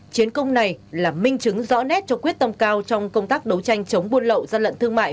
chiến công này là minh chứng rõ nét cho quyết tâm cao trong công tác đấu tranh chống buôn lậu gian lận thương mại